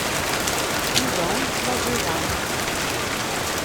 Yuba ur yeslaẓ iḍan.